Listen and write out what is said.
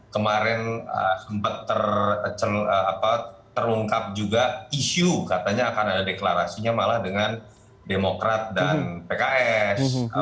kemarin sempat terungkap juga isu katanya akan ada deklarasinya malah dengan demokrat dan pks